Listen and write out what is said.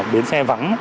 bến xe vắng